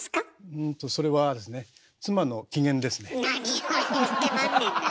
うんとそれはですね何を言うてまんねんな！